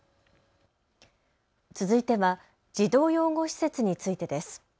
続いては児童養護施設についてです。